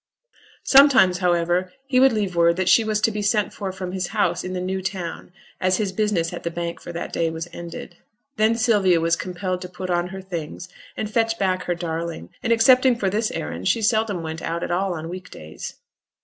Sometimes, however, he would leave word that she was to be sent for from his house in the New Town, as his business at the Bank for that day was ended. Then Sylvia was compelled to put on her things, and fetch back her darling; and excepting for this errand she seldom went out at all on week days.